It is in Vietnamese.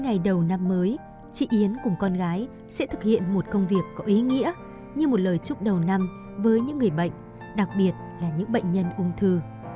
những ngày đầu năm mới chị yến cùng con gái sẽ thực hiện một công việc có ý nghĩa như một lời chúc đầu năm với những người bệnh đặc biệt là những bệnh nhân ung thư